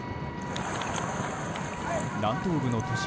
南東部の都市